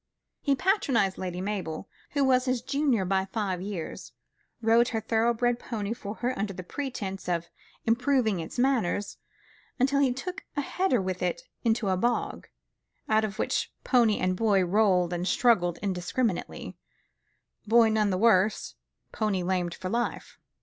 He patronised Lady Mabel, who was his junior by five years, rode her thorough bred pony for her under the pretence of improving its manners, until he took a header with it into a bog, out of which pony and boy rolled and struggled indiscriminately, boy none the worse, pony lamed for life.